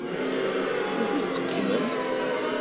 Wukud teqqimemt?